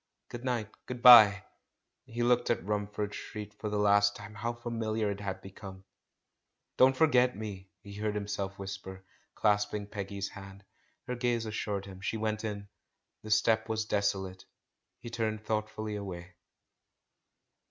"Good night — good bye." He looked at Rumford Street for the last time — how familiar it had become ! "Don't forget me," he heard himself whisper, clasping Peggy's hand. Her gaze assured him. She went in — the step was desolate; he turned thoughtfully away.